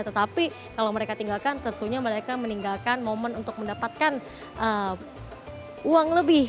tetapi kalau mereka tinggalkan tentunya mereka meninggalkan momen untuk mendapatkan uang lebih